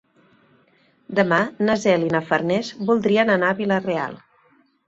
Demà na Cel i na Farners voldrien anar a Vila-real.